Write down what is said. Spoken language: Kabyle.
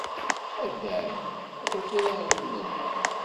A Dda Ɛli! ma tufiḍ aɣyul-nni?